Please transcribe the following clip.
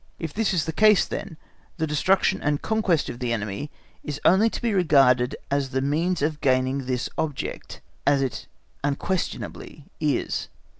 If this is the case then, the destruction and conquest of the enemy is only to be regarded as the means of gaining this object; as it unquestionably is.